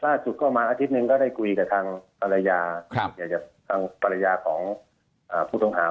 ล่าจุดเข้ามาอาทิตย์นึงก็ได้กุยกับทางภรรยาของผู้ต้องหา